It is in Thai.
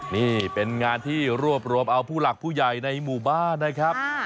นี่เป็นงานที่รวบรวมเอาผู้หลักผู้ใหญ่ในหมู่บ้านนะครับ